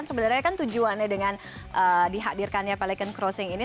sebenarnya kan tujuannya dengan dihadirkannya pelikan crossing ini